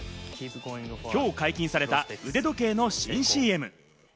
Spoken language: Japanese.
きょう解禁された腕時計の新ＣＭ。